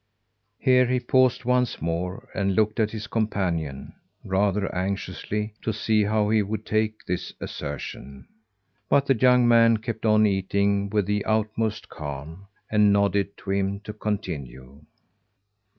Here he paused once more and looked at his companion rather anxiously to see how he would take this assertion. But the young man kept on eating with the utmost calm, and nodded to him to continue.